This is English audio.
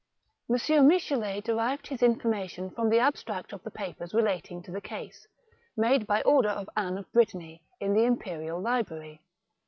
M. Michelet derived his information from the ab stract of the papers relating to the case, made by order of Ann of Brittany, in the Imperial Library.